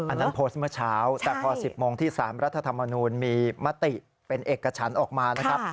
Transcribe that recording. อันนั้นโพสต์เมื่อเช้าแต่พอ๑๐โมงที่๓รัฐธรรมนูลมีมติเป็นเอกฉันออกมานะครับ